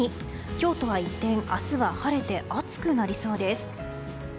今日とは一転、明日は晴れて暑くなりそうです。